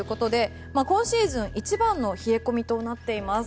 今シーズン一番の冷え込みとなっています。